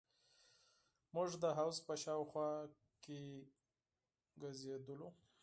موږ د حوض په شاوخوا کښې ګرځېدلو.